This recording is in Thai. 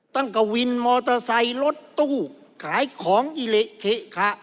ตั้งกว่าวินมอเตอร์ไซค์รถตู้ขายของอิเละเขะค่ะ